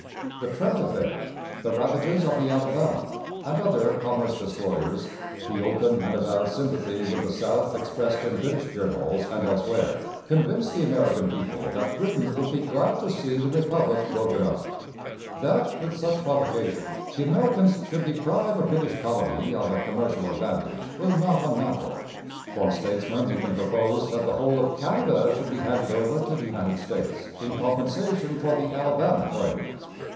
The Trent affair, the ravages of the Alabama and other commerce destroyers, the open and avowed sympathy with the South expressed in British journals and elsewhere, convinced the American people that Britain would be glad to see the Republic broken up. That, with such provocation, the Americans should deprive a British colony of a commercial advantage was not unnatural. One statesman even proposed that the whole of Canada should be handed over to the United States in compensation for the Alabama claims.